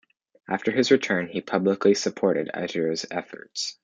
After his return, he publicly supported Itera's efforts.